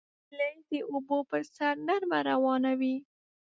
هیلۍ د اوبو پر سر نرمه روانه وي